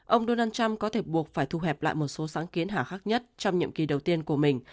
ông donald trump có thể buộc phải thu hẹp lại một số sáng kiến hạ khắc nhất trong nhiệm kỳ đầu tiên của mình